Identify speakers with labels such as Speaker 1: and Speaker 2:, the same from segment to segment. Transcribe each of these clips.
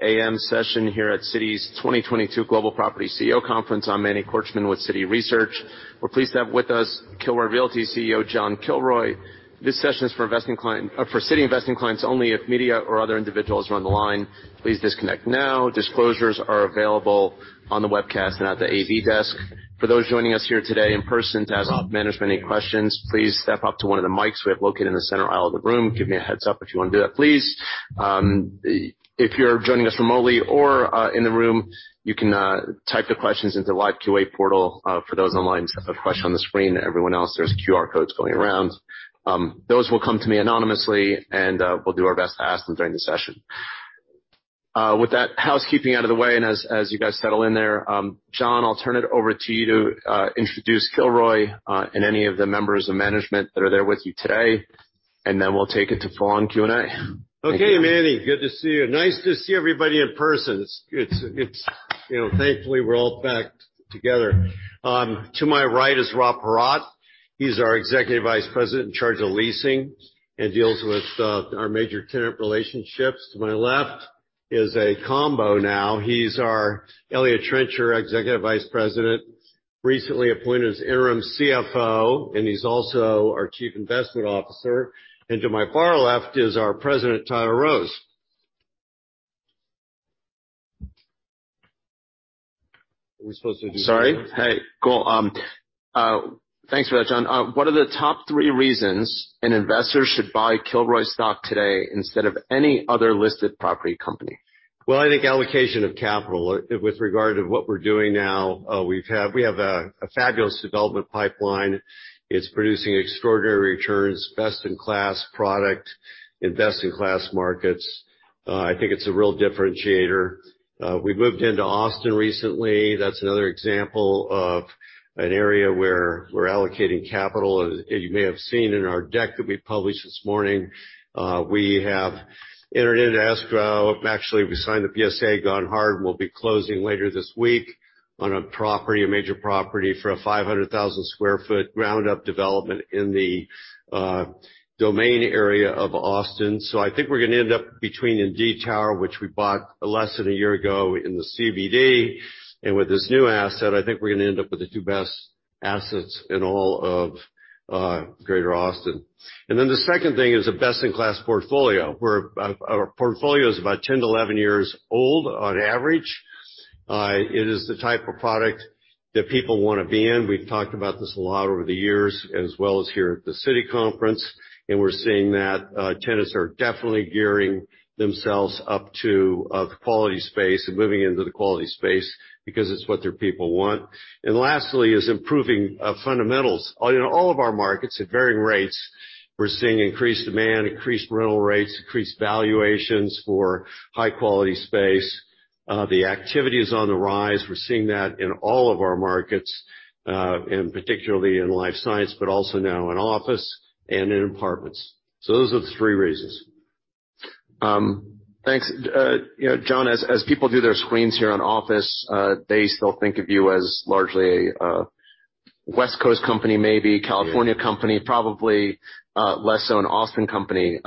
Speaker 1: A.M. session here at Citi's 2022 Global Property CEO Conference. I'm Manny Korchman with Citi Research. We're pleased to have with us Kilroy Realty CEO, John Kilroy. This session is for Citi investing clients only. If media or other individuals are on the line, please disconnect now. Disclosures are available on the webcast and at the AV desk. For those joining us here today in person to ask management any questions, please step up to one of the mics we have located in the center aisle of the room. Give me a heads up if you wanna do that, please. If you're joining us remotely or in the room, you can type the questions into the live Q&A portal. For those online, you have a question on the screen. Everyone else, there's QR codes going around. Those will come to me anonymously, and we'll do our best to ask them during the session. With that housekeeping out of the way, and as you guys settle in there, John, I'll turn it over to you to introduce Kilroy, and any of the members of management that are there with you today, and then we'll take it to full-on Q&A.
Speaker 2: Okay, Manny. Good to see you. Nice to see everybody in person. It's you know, thankfully, we're all back together. To my right is Rob Paratte. He's our Executive Vice President in charge of leasing and deals with our major tenant relationships. To my left is a combo now, Eliott Trencher, Executive Vice President, recently appointed as interim CFO, and he's also our Chief Investment Officer. To my far left is our President, Tyler Rose. Are we supposed to do?
Speaker 1: Sorry. Hey, cool. Thanks for that, John. What are the top three reasons an investor should buy Kilroy stock today instead of any other listed property company?
Speaker 2: Well, I think allocation of capital. With regard to what we're doing now, we have a fabulous development pipeline. It's producing extraordinary returns, best-in-class product, invest in class markets. I think it's a real differentiator. We moved into Austin recently. That's another example of an area where we're allocating capital. As you may have seen in our deck that we published this morning, we have entered into escrow. Actually, we signed the PSA, gone hard, and we'll be closing later this week on a property, a major property, for a 500,000 sq ft ground-up development in the domain area of Austin. I think we're gonna end up between Indeed Tower, which we bought less than a year ago in the CBD. With this new asset, I think we're gonna end up with the two best assets in all of Greater Austin. Then the second thing is a best-in-class portfolio, where our portfolio is about 10-11 years old on average. It is the type of product that people wanna be in. We've talked about this a lot over the years, as well as here at the Citi conference, and we're seeing that tenants are definitely gearing themselves up to the quality space and moving into the quality space because it's what their people want. Lastly is improving fundamentals. In all of our markets, at varying rates, we're seeing increased demand, increased rental rates, increased valuations for high-quality space. The activity is on the rise. We're seeing that in all of our markets, and particularly in life science, but also now in office and in apartments. Those are the three reasons.
Speaker 1: Thanks. You know, John, as people do their screens here on office, they still think of you as largely a West Coast company, maybe California company, probably less so an Austin company.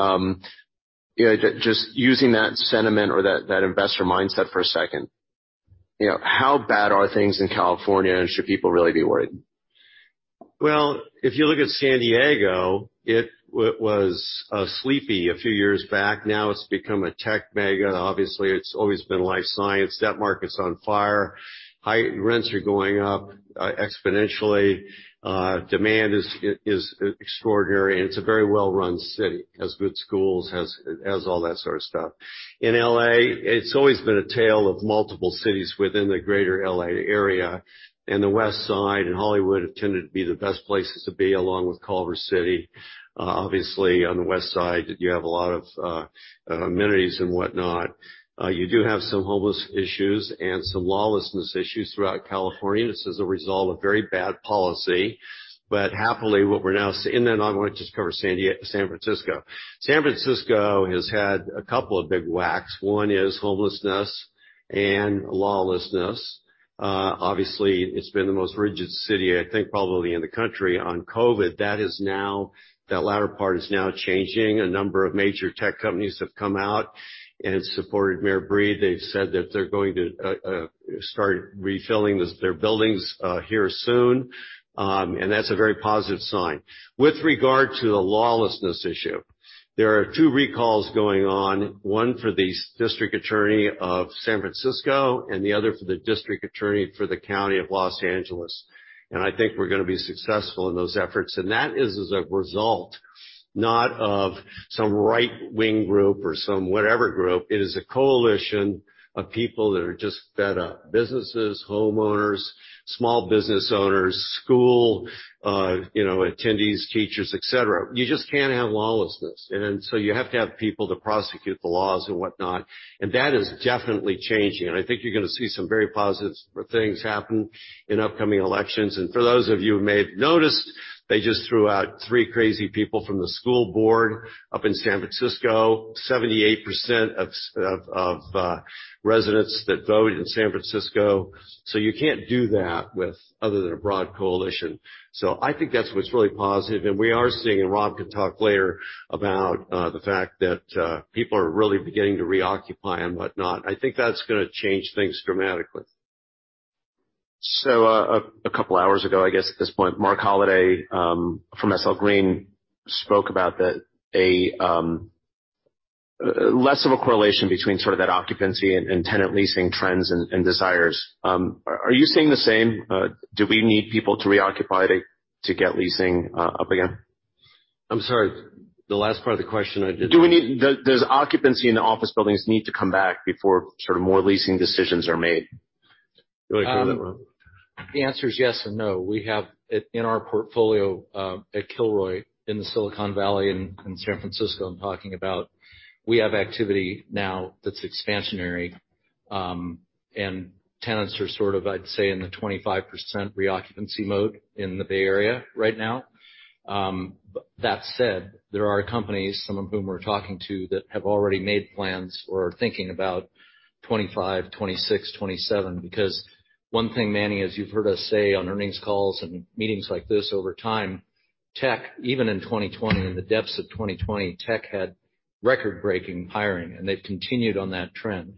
Speaker 1: You know, just using that sentiment or that investor mindset for a second, you know, how bad are things in California, and should people really be worried?
Speaker 2: Well, if you look at San Diego, it was sleepy a few years back. Now it's become a tech mecca. Obviously, it's always been life science. That market's on fire. Rents are going up exponentially. Demand is extraordinary, and it's a very well-run city. Has good schools, has all that sort of stuff. In L.A., it's always been a tale of multiple cities within the greater L.A. area, and the West Side and Hollywood have tended to be the best places to be, along with Culver City. Obviously, on the West Side, you have a lot of amenities and whatnot. You do have some homeless issues and some lawlessness issues throughout California. This is a result of very bad policy. Happily, what we're now. I want to just cover San Francisco. San Francisco has had a couple of big whacks. One is homelessness and lawlessness. Obviously it's been the most rigid city, I think, probably in the country on COVID. That latter part is now changing. A number of major tech companies have come out and supported London Breed. They've said that they're going to start refilling their buildings here soon. That's a very positive sign. With regard to the lawlessness issue, there are two recalls going on, one for the district attorney of San Francisco and the other for the district attorney for the county of Los Angeles, and I think we're gonna be successful in those efforts. That is as a result, not of some right-wing group or some whatever group, it is a coalition of people that are just fed up. Businesses, homeowners, small business owners, school, you know, attendees, teachers, et cetera. You just can't have lawlessness. You have to have people to prosecute the laws and whatnot, and that is definitely changing, and I think you're gonna see some very positive things happen in upcoming elections. For those of you who may have noticed, they just threw out three crazy people from the school board up in San Francisco, 78% of residents that voted in San Francisco. You can't do that with other than a broad coalition. I think that's what's really positive. We are seeing, and Rob can talk later, about the fact that people are really beginning to reoccupy and whatnot. I think that's gonna change things dramatically.
Speaker 1: A couple hours ago, I guess at this point, Marc Holliday from SL Green spoke about the less of a correlation between sort of that occupancy and tenant leasing trends and desires. Are you seeing the same? Do we need people to reoccupy to get leasing up again?
Speaker 2: I'm sorry. The last part of the question, I didn't.
Speaker 1: Does occupancy in the office buildings need to come back before sort of more leasing decisions are made?
Speaker 2: You wanna take that one, Rob?
Speaker 3: The answer is yes and no. We have it in our portfolio at Kilroy in the Silicon Valley and in San Francisco. I'm talking about, we have activity now that's expansionary, and tenants are sort of, I'd say, in the 25% reoccupancy mode in the Bay Area right now. But that said, there are companies, some of whom we're talking to, that have already made plans or are thinking about 2025, 2026, 2027, because one thing, Manny, as you've heard us say on earnings calls and meetings like this over time, tech, even in 2020, in the depths of 2020, tech had record-breaking hiring, and they've continued on that trend.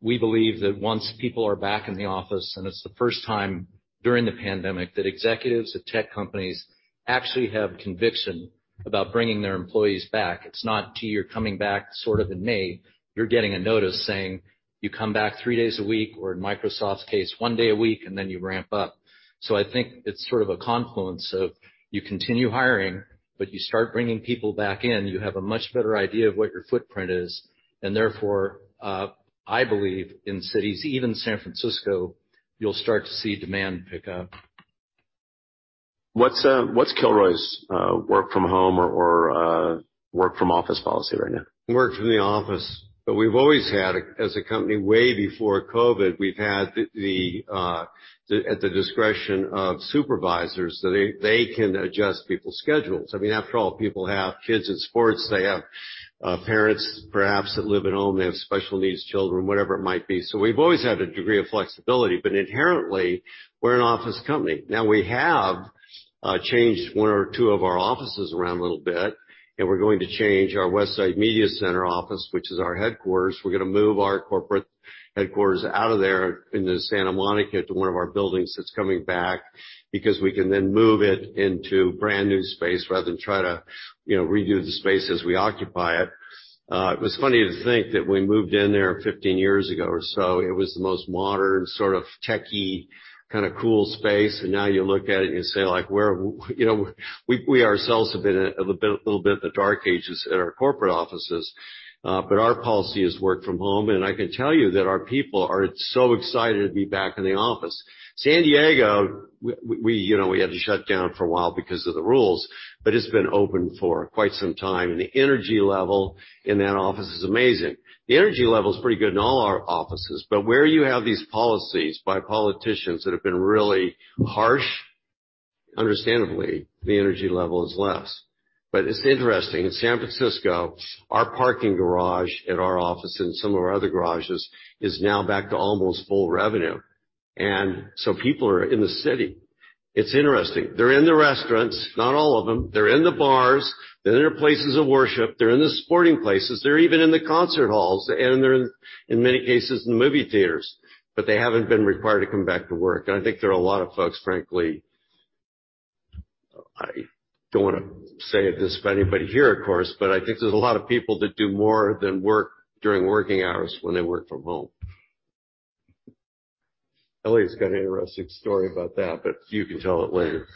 Speaker 3: We believe that once people are back in the office, and it's the first time during the pandemic that executives at tech companies actually have conviction about bringing their employees back. It's not till you're coming back sort of in May, you're getting a notice saying, "You come back three days a week," or in Microsoft's case, one day a week, and then you ramp up. I think it's sort of a confluence of you continue hiring, but you start bringing people back in. You have a much better idea of what your footprint is, and therefore, I believe in cities, even San Francisco, you'll start to see demand pick up.
Speaker 1: What's Kilroy's work from home or work from office policy right now?
Speaker 2: Work from the office. We've always had, as a company, way before COVID, we've had the, at the discretion of supervisors, so they can adjust people's schedules. I mean, after all, people have kids in sports. They have, parents perhaps that live at home. They have special needs children, whatever it might be. We've always had a degree of flexibility, but inherently, we're an office company. Now, we have, changed one or two of our offices around a little bit, and we're going to change our Westside Media Center office, which is our headquarters. We're gonna move our corporate headquarters out of there into Santa Monica to one of our buildings that's coming back, because we can then move it into brand-new space rather than try to, redo the space as we occupy it. It was funny to think that we moved in there 15 years ago or so. It was the most modern, sort of techy, kinda cool space. Now you look at it and you say, like, "Where," You know, we ourselves have been in a little bit in the dark ages at our corporate offices, but our policy is work from home. I can tell you that our people are so excited to be back in the office. San Diego, you know, we had to shut down for a while because of the rules, but it's been open for quite some time, and the energy level in that office is amazing. The energy level is pretty good in all our offices. Where you have these policies by politicians that have been really harsh, understandably, the energy level is less. It's interesting. In San Francisco, our parking garage at our office and some of our other garages is now back to almost full revenue. People are in the city. It's interesting. They're in the restaurants, not all of them. They're in the bars. They're in their places of worship. They're in the sporting places. They're even in the concert halls, and they're in, many cases, in the movie theaters. They haven't been required to come back to work. I think there are a lot of folks, frankly. I don't wanna say this for anybody here, of course, but I think there's a lot of people that do more than work during working hours when they work from home. Eliott's got an interesting story about that, but you can tell it later.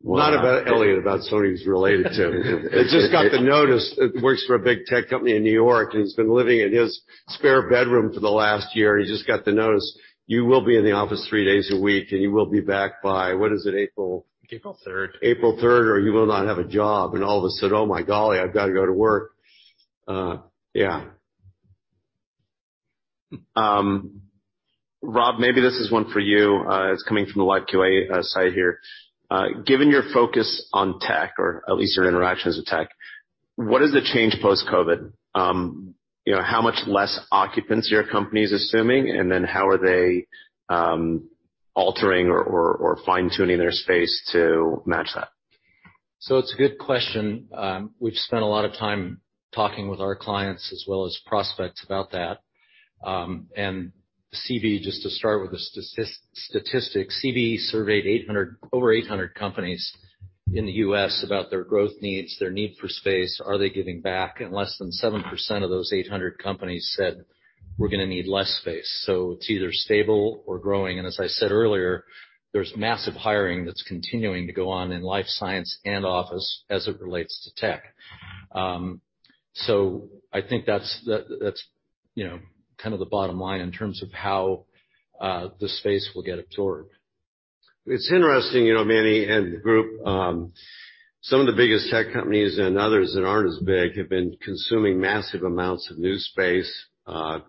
Speaker 1: Well-
Speaker 2: Not about Eliott, about somebody who's related to him. They just got the notice. He works for a big tech company in New York, and he's been living in his spare bedroom for the last year, and he just got the notice, "You will be in the office three days a week, and you will be back by," what is it, April?
Speaker 3: April 3rd.
Speaker 2: April 3rd, or you will not have a job. All of a sudden, "Oh my golly, I've gotta go to work." Yeah.
Speaker 1: Rob, maybe this is one for you. It's coming from the live Q&A side here. Given your focus on tech or at least your interactions with tech, what is the change post-COVID? You know, how much less occupancy are companies assuming? How are they altering or fine-tuning their space to match that?
Speaker 3: It's a good question. We've spent a lot of time talking with our clients as well as prospects about that. CBRE, just to start with the statistics, CBRE surveyed 800, over 800 companies in the U.S. about their growth needs, their need for space, are they giving back? Less than 7% of those 800 companies said, "We're gonna need less space." It's either stable or growing. As I said earlier, there's massive hiring that's continuing to go on in life science and office as it relates to tech. I think that's you know, kind of the bottom line in terms of how the space will get absorbed.
Speaker 2: It's interesting, you know, Manny and the group, some of the biggest tech companies and others that aren't as big have been consuming massive amounts of new space.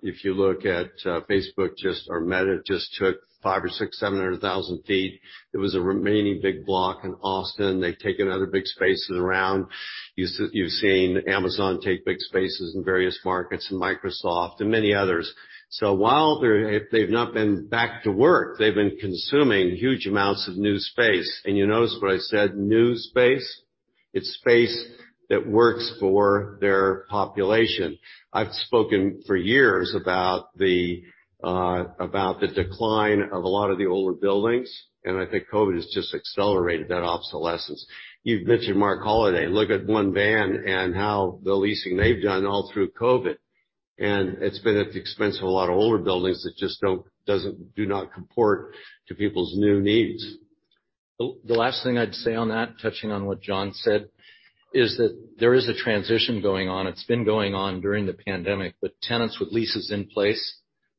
Speaker 2: If you look at, Facebook just or Meta just took 500,000 sq ft-700,000 sq ft. It was a remaining big block in Austin. They've taken other big spaces around. You've seen Amazon take big spaces in various markets and Microsoft and many others. While they've not been back to work, they've been consuming huge amounts of new space. You notice what I said, new space. It's space that works for their population. I've spoken for years about the decline of a lot of the older buildings, and I think COVID has just accelerated that obsolescence. You've mentioned Marc Holliday. Look at One Vanderbilt and how the leasing they've done all through COVID, and it's been at the expense of a lot of older buildings that just do not comport to people's new needs.
Speaker 3: The last thing I'd say on that, touching on what John said, is that there is a transition going on. It's been going on during the pandemic, but tenants with leases in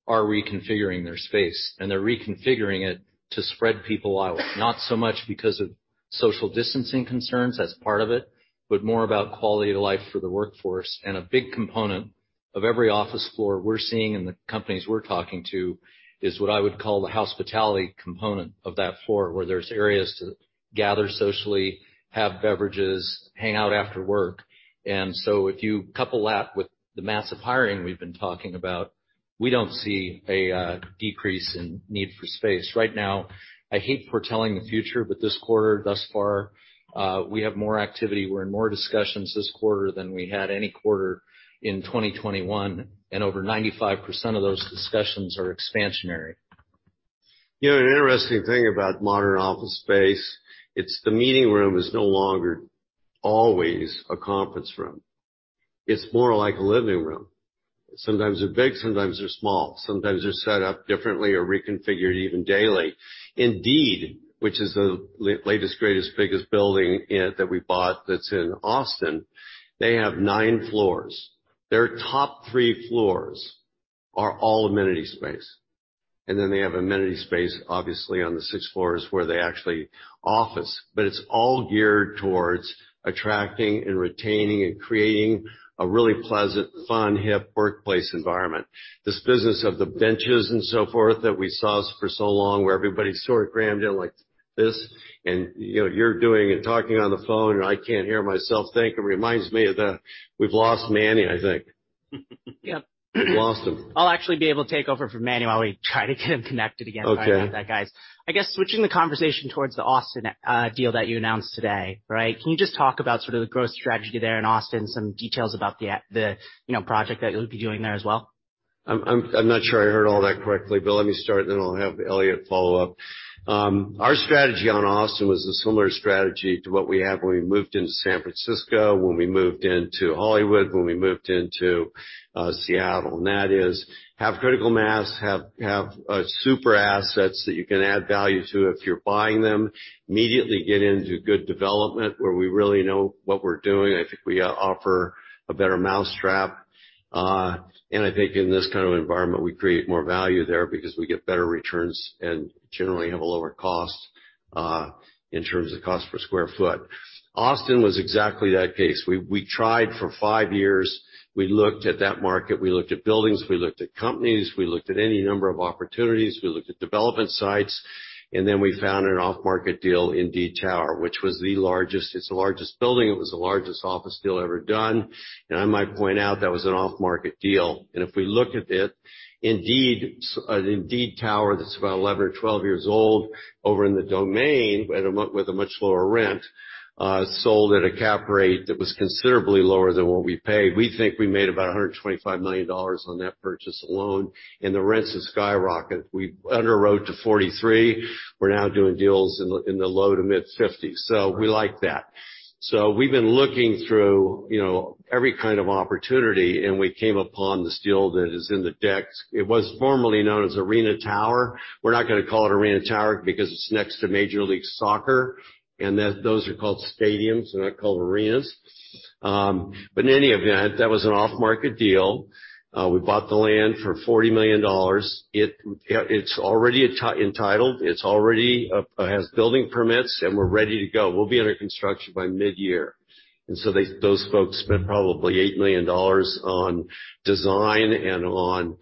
Speaker 3: place are reconfiguring their space, and they're reconfiguring it to spread people out, not so much because of social distancing concerns. That's part of it, but more about quality of life for the workforce. A big component of every office floor we're seeing in the companies we're talking to is what I would call the hospitality component of that floor, where there's areas to gather socially, have beverages, hang out after work. If you couple that with the massive hiring we've been talking about, we don't see a decrease in need for space. Right now, I hate foretelling the future, but this quarter, thus far, we have more activity. We're in more discussions this quarter than we had any quarter in 2021, and over 95% of those discussions are expansionary.
Speaker 2: You know, an interesting thing about modern office space, it's the meeting room is no longer always a conference room. It's more like a living room. Sometimes they're big, sometimes they're small. Sometimes they're set up differently or reconfigured even daily. Indeed, which is the latest, greatest, biggest building that we bought that's in Austin, they have nine floors. Their top three floors are all amenity space. Then they have amenity space, obviously, on the six floors where they actually office. It's all geared towards attracting and retaining and creating a really pleasant, fun, hip workplace environment. This business of the benches and so forth that we saw for so long where everybody's sort of crammed in like this and, you know, you're doing and talking on the phone or I can't hear myself think. It reminds me of the. We've lost Manny, I think.
Speaker 4: Yep.
Speaker 2: We've lost him.
Speaker 4: I'll actually be able to take over for Manny while we try to get him connected again.
Speaker 2: Okay.
Speaker 4: Sorry about that, guys. I guess switching the conversation towards the Austin deal that you announced today, right? Can you just talk about sort of the growth strategy there in Austin, some details about the, you know, project that you'll be doing there as well?
Speaker 2: I'm not sure I heard all that correctly, but let me start, then I'll have Eliott follow up. Our strategy on Austin was a similar strategy to what we had when we moved into San Francisco, when we moved into Hollywood, when we moved into Seattle. That is have critical mass, have super assets that you can add value to if you're buying them. Immediately get into good development where we really know what we're doing. I think we offer a better mousetrap. I think in this kind of environment, we create more value there because we get better returns and generally have a lower cost in terms of cost per square foot. Austin was exactly that case. We tried for five years. We looked at that market. We looked at buildings. We looked at companies. We looked at any number of opportunities. We looked at development sites. We found an off-market deal in Indeed Tower, which is the largest building. It was the largest office deal ever done. I might point out that was an off-market deal. If we look at it, Indeed Tower, that's about 11 or 12 years old over in The Domain with a much lower rent, sold at a cap rate that was considerably lower than what we paid. We think we made about $125 million on that purchase alone, and the rents have skyrocketed. We underwrote to $43. We're now doing deals in the low- to mid-$50s. We like that. We've been looking through, you know, every kind of opportunity, and we came upon this deal that is in the decks. It was formerly known as Arena Tower. We're not gonna call it Arena Tower because it's next to Major League Soccer, and those are called stadiums, they're not called arenas. But in any event, that was an off-market deal. We bought the land for $40 million. It's already entitled. It's already has building permits, and we're ready to go. We'll be under construction by midyear. Those folks spent probably $8 million on design and on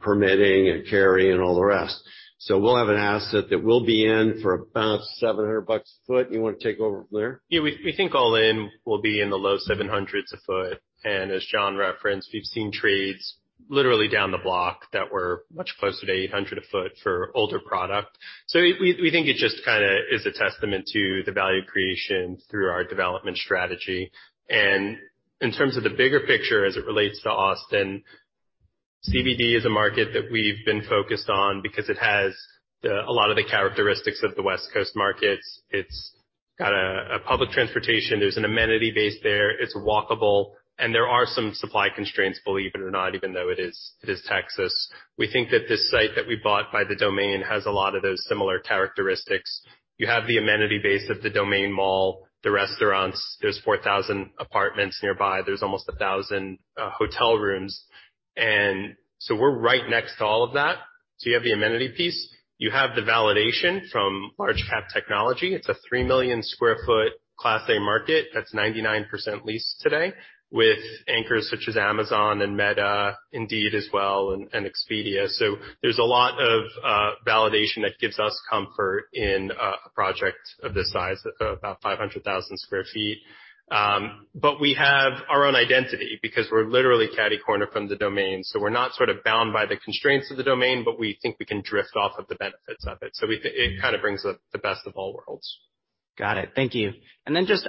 Speaker 2: permitting and carrying and all the rest. We'll have an asset that we'll be in for about $700 a ft. You want to take over from there?
Speaker 5: Yeah. We think all in will be in the low $700s a ft. As John referenced, we've seen trades literally down the block that were much closer to $800 a ft for older product. We think it just kinda is a testament to the value creation through our development strategy. In terms of the bigger picture as it relates to Austin, CBD is a market that we've been focused on because it has a lot of the characteristics of the West Coast markets. It's got a public transportation. There's an amenity base there. It's walkable. There are some supply constraints, believe it or not, even though it is Texas. We think that this site that we bought by The Domain has a lot of those similar characteristics. You have the amenity base of The Domain Mall, the restaurants. There's 4,000 apartments nearby. There's almost 1,000 hotel rooms. We're right next to all of that. You have the amenity piece. You have the validation from large cap technology. It's a 3 million sq ft class A market that's 99% leased today with anchors such as Amazon and Meta, Indeed as well, and Expedia. There's a lot of validation that gives us comfort in a project of this size, about 500,000 sq ft. We have our own identity because we're literally catty-corner from The Domain. We're not sort of bound by the constraints of The Domain, but we think we can drift off of the benefits of it. We think it kind of brings the best of all worlds.
Speaker 4: Got it. Thank you. Just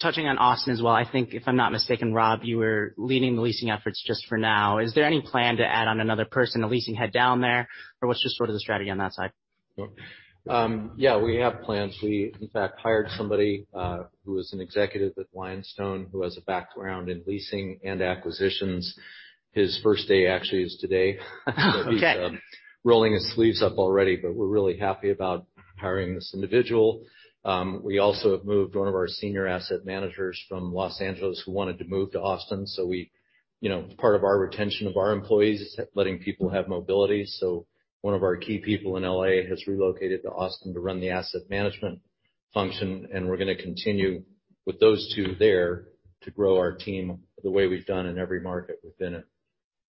Speaker 4: touching on Austin as well, I think if I'm not mistaken, Rob, you were leading the leasing efforts just for now. Is there any plan to add on another person, a leasing head down there? Or what's just sort of the strategy on that side?
Speaker 2: Yeah, we have plans. We, in fact, hired somebody, who was an executive at Lionstone who has a background in leasing and acquisitions. His first day actually is today.
Speaker 4: Okay.
Speaker 2: He's rolling his sleeves up already, but we're really happy about hiring this individual. We also have moved one of our senior asset managers from Los Angeles who wanted to move to Austin. You know, part of our retention of our employees is letting people have mobility. One of our key people in L.A. has relocated to Austin to run the asset management function, and we're gonna continue with those two there to grow our team the way we've done in every market we've been in.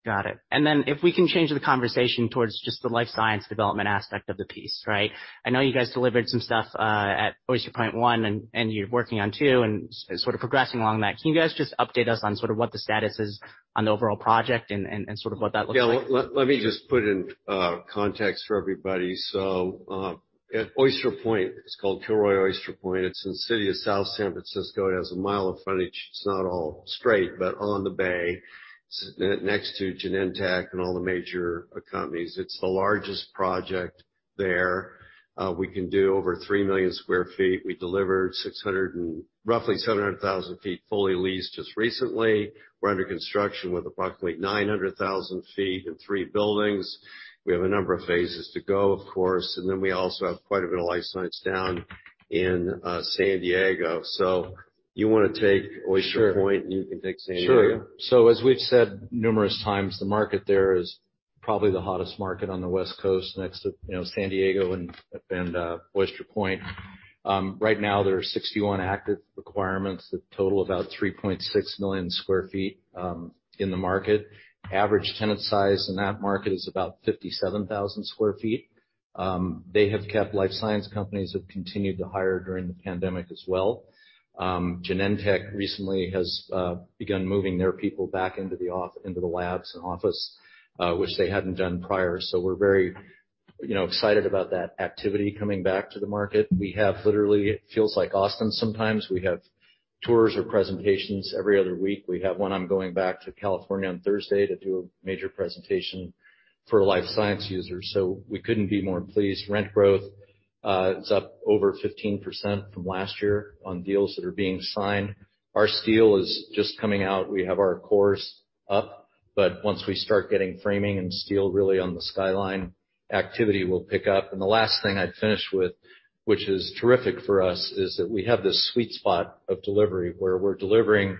Speaker 4: Got it. If we can change the conversation towards just the life science development aspect of the piece, right? I know you guys delivered some stuff at Oyster Point One, and you're working on two and sort of progressing along that. Can you guys just update us on sort of what the status is on the overall project and sort of what that looks like?
Speaker 2: Yeah. Let me just put it in context for everybody. At Oyster Point, it's called Kilroy Oyster Point. It's in the city of South San Francisco. It has a mile of frontage. It's not all straight, but on the bay. It's next to Genentech and all the major companies. It's the largest project there. We can do over 3 million sq ft. We delivered roughly 700,000 sq ft fully leased just recently. We're under construction with approximately 900,000 sq ft in three buildings. We have a number of phases to go, of course. We also have quite a bit of life science down in San Diego. So you wanna take Oyster Point-
Speaker 3: Sure.
Speaker 2: You can take San Diego.
Speaker 3: Sure. As we've said numerous times, the market there is probably the hottest market on the West Coast next to, you know, San Diego and Oyster Point. Right now there are 61 active requirements that total about 3.6 million sq ft in the market. Average tenant size in that market is about 57,000 sq ft. Life science companies have continued to hire during the pandemic as well. Genentech recently has begun moving their people back into the labs and office, which they hadn't done prior. We're very, you know, excited about that activity coming back to the market. We have literally, it feels like Austin sometimes. We have tours or presentations every other week. We have one. I'm going back to California on Thursday to do a major presentation for life science users. We couldn't be more pleased. Rent growth is up over 15% from last year on deals that are being signed. Our steel is just coming out. We have our cores up, but once we start getting framing and steel really on the skyline, activity will pick up. The last thing I'd finish with, which is terrific for us, is that we have this sweet spot of delivery where we're delivering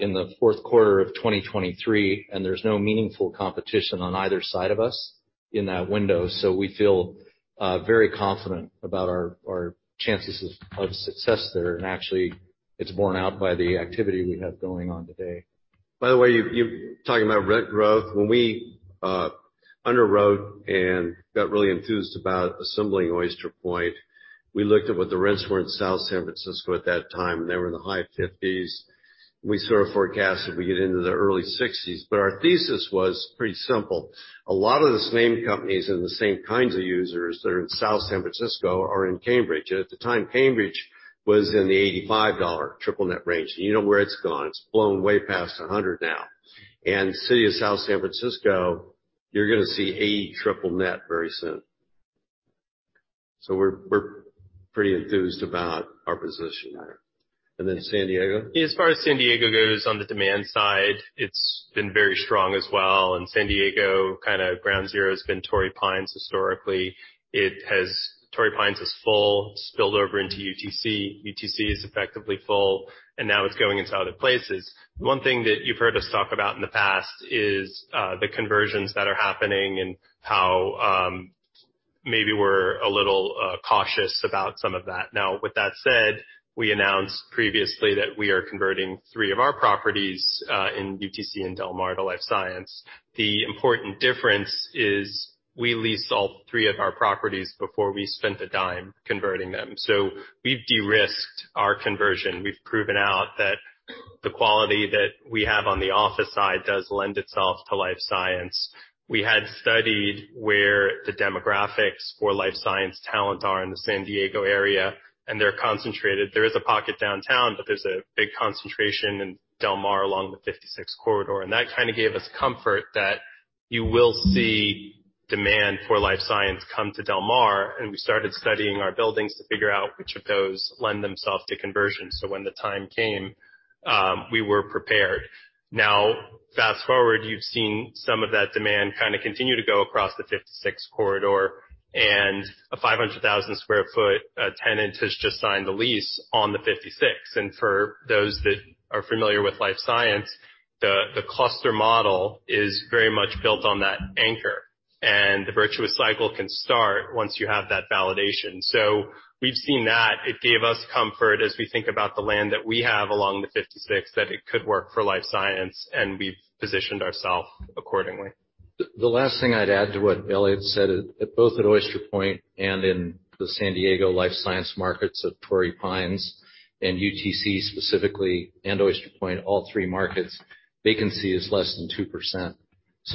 Speaker 3: in the fourth quarter of 2023, and there's no meaningful competition on either side of us in that window. We feel very confident about our chances of success there. Actually, it's borne out by the activity we have going on today.
Speaker 2: By the way, talking about rent growth. When we underwrote and got really enthused about assembling Oyster Point, we looked at what the rents were in South San Francisco at that time, and they were in the high 50s. We sort of forecasted we'd get into the early 60s, but our thesis was pretty simple. A lot of the same companies and the same kinds of users that are in South San Francisco are in Cambridge. At the time, Cambridge was in the $85 triple net range. You know where it's gone. It's flown way past $100 now. City of South San Francisco, you're gonna see $80 triple net very soon. We're pretty enthused about our position there. San Diego.
Speaker 5: As far as San Diego goes, on the demand side, it's been very strong as well. San Diego, kinda ground zero has been Torrey Pines historically. Torrey Pines is full, spilled over into UTC. UTC is effectively full, and now it's going into other places. One thing that you've heard us talk about in the past is the conversions that are happening and how maybe we're a little cautious about some of that. Now, with that said, we announced previously that we are converting three of our properties in UTC and Del Mar to life science. The important difference is we leased all three of our properties before we spent a dime converting them. We've de-risked our conversion. We've proven out that the quality that we have on the office side does lend itself to life science. We had studied where the demographics for life science talent are in the San Diego area, and they're concentrated. There is a pocket downtown, but there's a big concentration in Del Mar along the 56 corridor. That kinda gave us comfort that you will see demand for life science come to Del Mar. We started studying our buildings to figure out which of those lend themselves to conversion. When the time came, we were prepared. Now fast forward, you've seen some of that demand kinda continue to go across the 56 corridor, and a 500,000 sq ft tenant has just signed the lease on the 56. For those that are familiar with life science, the cluster model is very much built on that anchor, and the virtuous cycle can start once you have that validation. We've seen that. It gave us comfort as we think about the land that we have along the 56, that it could work for life science, and we've positioned ourselves accordingly.
Speaker 3: The last thing I'd add to what Eliott said, at both Oyster Point and in the San Diego life science markets of Torrey Pines and UTC specifically, and Oyster Point, all three markets, vacancy is less than 2%.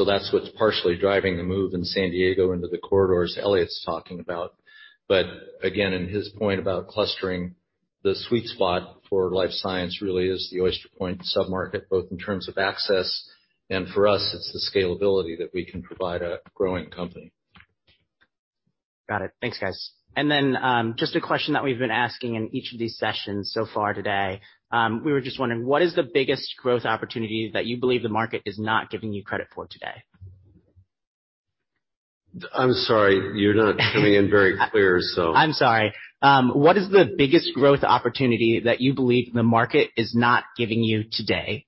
Speaker 3: That's what's partially driving the move in San Diego into the corridors Eliott's talking about. Again, in his point about clustering, the sweet spot for life science really is the Oyster Point sub-market, both in terms of access and for us, it's the scalability that we can provide a growing company.
Speaker 4: Got it. Thanks, guys. Just a question that we've been asking in each of these sessions so far today. We were just wondering, what is the biggest growth opportunity that you believe the market is not giving you credit for today?
Speaker 2: I'm sorry, you're not coming in very clear, so.
Speaker 4: I'm sorry. What is the biggest growth opportunity that you believe the market is not giving you today?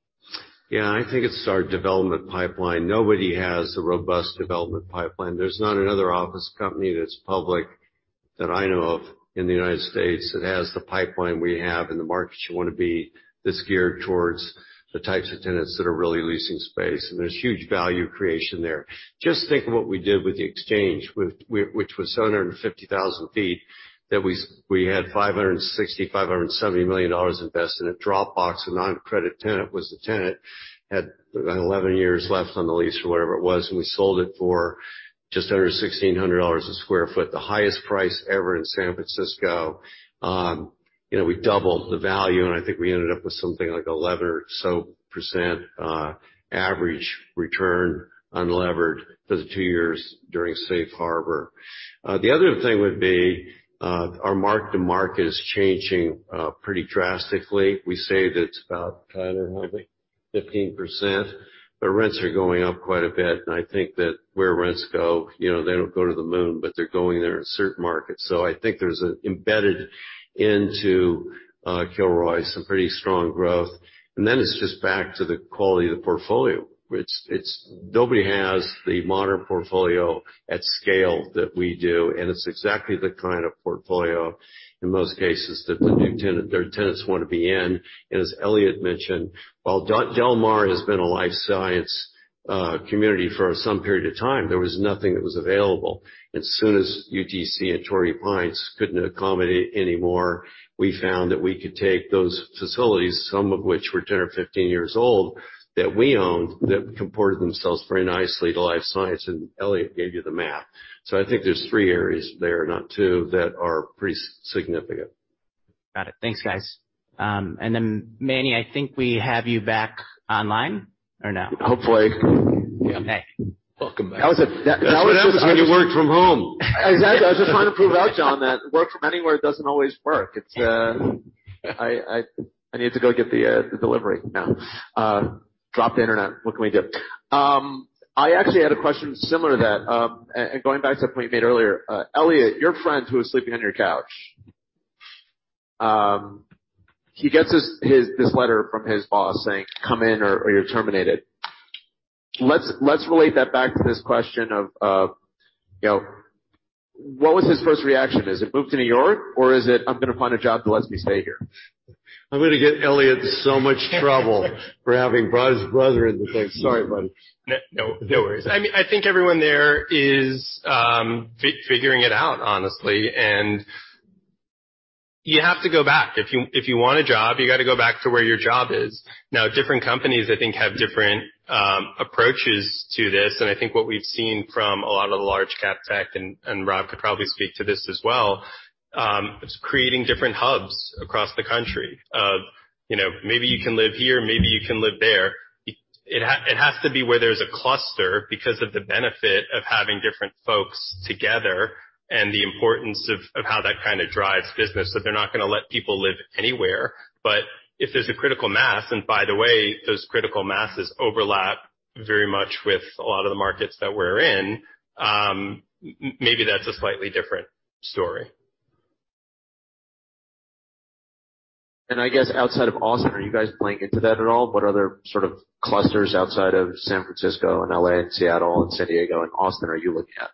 Speaker 2: Yeah, I think it's our development pipeline. Nobody has a robust development pipeline. There's not another office company that's public that I know of in the United States that has the pipeline we have in the markets you wanna be, that's geared towards the types of tenants that are really leasing space. There's huge value creation there. Just think of what we did with the Exchange, which was 750,000 sq ft that we had $560 million-$570 million invested in it. Dropbox, a non-credit tenant, was the tenant. Had 11 years left on the lease or whatever it was, and we sold it for just under $1,600 a sq ft, the highest price ever in San Francisco. You know, we doubled the value, and I think we ended up with something like 11% or so average return, unlevered for the two years during Safe Harbor. The other thing would be our mark-to-market is changing pretty drastically. We say that it's about 10%, I think, 15%, but rents are going up quite a bit, and I think that where rents go, you know, they don't go to the moon, but they're going there in certain markets. I think there's an embedded into Kilroy some pretty strong growth. Then it's just back to the quality of the portfolio, which nobody has the modern portfolio at scale that we do, and it's exactly the kind of portfolio, in most cases, that their tenants wanna be in. As Eliott mentioned, while Del Mar has been a life science community for some period of time, there was nothing that was available. As soon as UTC and Torrey Pines couldn't accommodate any more, we found that we could take those facilities, some of which were 10 or 15 years old, that we owned, that comported themselves very nicely to life science, and Eliott gave you the math. I think there's three areas there, not two, that are pretty significant.
Speaker 4: Got it. Thanks, guys. Manny, I think we have you back online or no?
Speaker 1: Hopefully.
Speaker 4: Okay.
Speaker 2: Welcome back.
Speaker 1: That was a-
Speaker 2: That's what happens when you work from home.
Speaker 1: Exactly. John, that work from anywhere doesn't always work. It's I need to go get the delivery now. Dropped the internet. What can we do? I actually had a question similar to that. And going back to the point you made earlier, Eliott, your friend who was sleeping on your couch, he gets this letter from his boss saying, "Come in or you're terminated." Let's relate that back to this question of, you know, what was his first reaction? Is it move to New York or is it, I'm gonna find a job that lets me stay here?
Speaker 2: I'm gonna get Eliott in so much trouble for having brought his brother into this. Sorry, bud.
Speaker 5: No, no worries. I mean, I think everyone there is figuring it out, honestly. You have to go back. If you want a job, you gotta go back to where your job is. Now, different companies, I think, have different approaches to this. I think what we've seen from a lot of the large cap tech, and Rob could probably speak to this as well, is creating different hubs across the country of, you know, maybe you can live here, maybe you can live there. It has to be where there's a cluster because of the benefit of having different folks together and the importance of how that kinda drives business, that they're not gonna let people live anywhere. If there's a critical mass, and by the way, those critical masses overlap very much with a lot of the markets that we're in, maybe that's a slightly different story.
Speaker 1: I guess outside of Austin, are you guys playing into that at all? What other sort of clusters outside of San Francisco and L.A. and Seattle and San Diego and Austin are you looking at?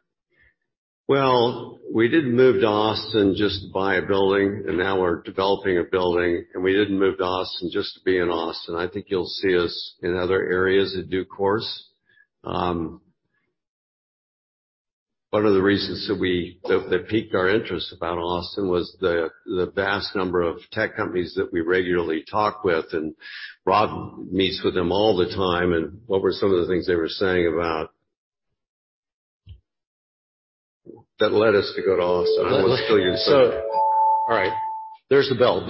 Speaker 2: Well, we didn't move to Austin just to buy a building, and now we're developing a building, and we didn't move to Austin just to be in Austin. I think you'll see us in other areas in due course. One of the reasons that piqued our interest about Austin was the vast number of tech companies that we regularly talk with, and Rob meets with them all the time. What were some of the things they were saying that led us to go to Austin? All right, there's the bell.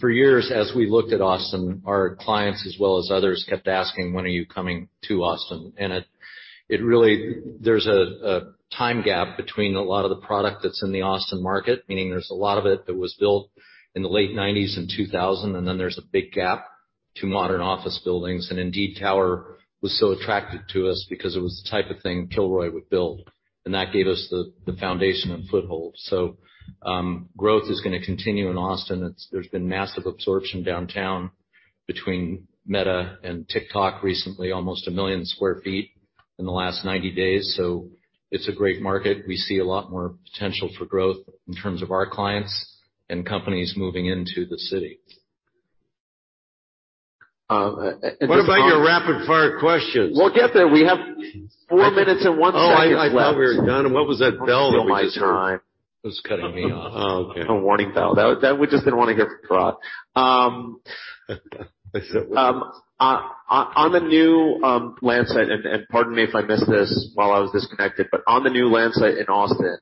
Speaker 2: For years, as we looked at Austin, our clients as well as others kept asking, "When are you coming to Austin?" It really. There's a time gap between a lot of the product that's in the Austin market, meaning there's a lot of it that was built in the late 1990s and 2000, and then there's a big gap to modern office buildings. Indeed Tower was so attractive to us because it was the type of thing Kilroy would build, and that gave us the foundation and foothold. Growth is gonna continue in Austin. It's. There's been massive absorption downtown between Meta and TikTok recently, almost 1 million sq ft in the last 90 days. It's a great market. We see a lot more potential for growth in terms of our clients and companies moving into the city.
Speaker 1: Um, and just-
Speaker 2: What about your rapid fire questions?
Speaker 1: We'll get there. We have four minutes and one second left.
Speaker 2: Oh, I thought we were done. What was that bell that we just heard? It was cutting me off.
Speaker 1: Oh, okay. A warning bell. That we just didn't wanna hear from Rob. On the new land site, and pardon me if I missed this while I was disconnected, but on the new land site in Austin,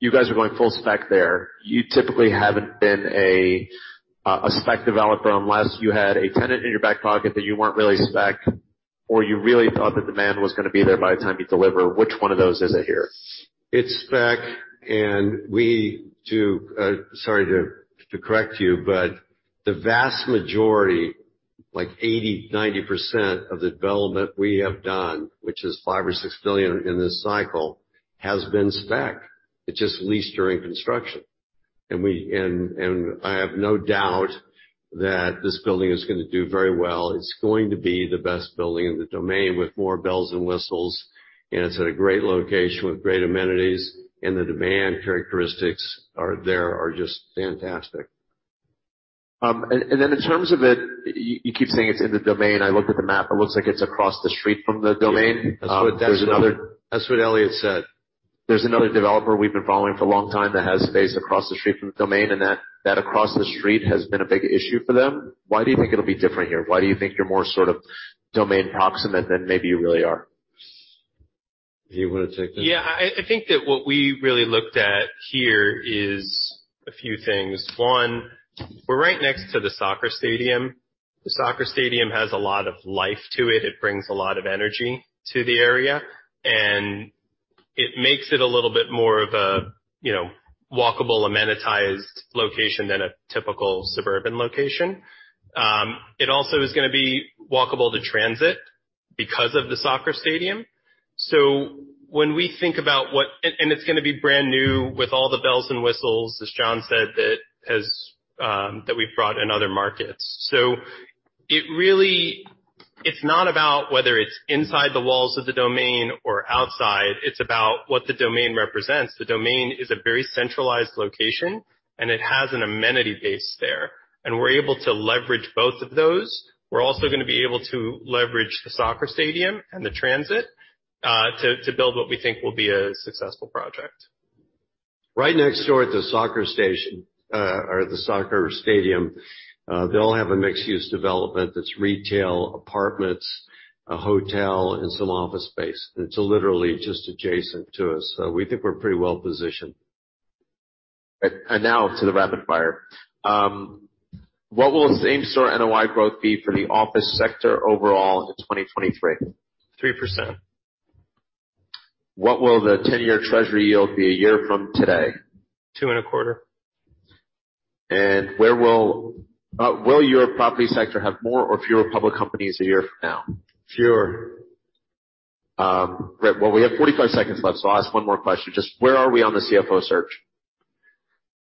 Speaker 1: you guys are going full spec there. You typically haven't been a spec developer unless you had a tenant in your back pocket that you weren't really spec or you really thought the demand was gonna be there by the time you deliver. Which one of those is it here?
Speaker 2: It's spec. Sorry to correct you, but the vast majority, like 80%-90% of the development we have done, which is $5 billion or $6 billion in this cycle, has been spec. It's just leased during construction. I have no doubt that this building is gonna do very well. It's going to be the best building in The Domain with more bells and whistles, and it's in a great location with great amenities, and the demand characteristics are just fantastic.
Speaker 1: In terms of it, you keep saying it's in The Domain. I looked at the map. It looks like it's across the street from The Domain.
Speaker 2: Yeah.
Speaker 1: Um, there's another-
Speaker 2: That's what Eliott said.
Speaker 1: There's another developer we've been following for a long time that has space across the street from The Domain, and that across the street has been a big issue for them. Why do you think it'll be different here? Why do you think you're more sort of Domain proximate than maybe you really are?
Speaker 2: Do you wanna take that?
Speaker 5: Yeah. I think that what we really looked at here is a few things. One, we're right next to the soccer stadium. The soccer stadium has a lot of life to it. It brings a lot of energy to the area, and it makes it a little bit more of a, you know, walkable, amenitized location than a typical suburban location. It also is gonna be walkable to transit because of the soccer stadium. When we think about what and it's gonna be brand new with all the bells and whistles, as John said, that we've brought in other markets. It really is not about whether it's inside the walls of The Domain or outside. It's about what The Domain represents. The Domain is a very centralized location, and it has an amenity base there. We're able to leverage both of those. We're also gonna be able to leverage the soccer stadium and the transit, to build what we think will be a successful project.
Speaker 2: Right next door at the soccer stadium, they'll have a mixed-use development that's retail, apartments, a hotel, and some office space. It's literally just adjacent to us. We think we're pretty well positioned.
Speaker 1: Now to the rapid fire. What will same-store NOI growth be for the office sector overall in 2023?
Speaker 5: 3%.
Speaker 1: What will the 10-year Treasury yield be a year from today?
Speaker 5: 2.25%.
Speaker 1: Will your property sector have more or fewer public companies a year from now?
Speaker 2: Fewer.
Speaker 1: Great. Well, we have 45 seconds left, so I'll ask one more question. Just where are we on the CFO search?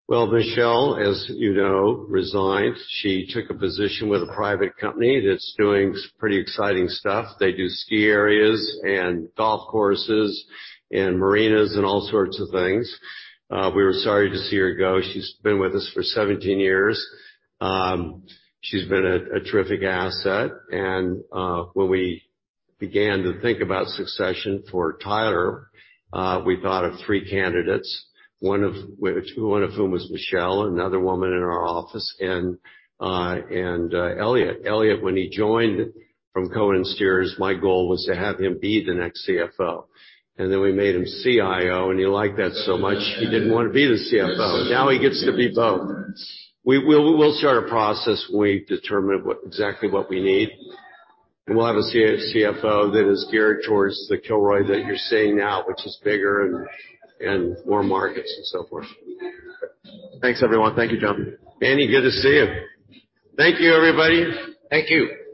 Speaker 2: Well, Michelle, as you know, resigned. She took a position with a private company that's doing pretty exciting stuff. They do ski areas and golf courses and marinas and all sorts of things. We were sorry to see her go. She's been with us for 17 years. She's been a terrific asset. When we began to think about succession for Tyler, we thought of three candidates, one of whom was Michelle, another woman in our office, and Eliott. Eliott, when he joined from Cohen & Steers, my goal was to have him be the next CFO. Then we made him CIO, and he liked that so much he didn't want to be the CFO. Now he gets to be both. We'll start a process. We determine exactly what we need, and we'll have a CFO that is geared towards the Kilroy that you're seeing now, which is bigger and more markets and so forth.
Speaker 1: Thanks, everyone. Thank you, John.
Speaker 2: Andy, good to see you. Thank you, everybody. Thank you.